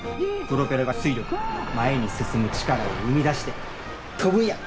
プロペラが推力前に進む力を生み出して飛ぶんや！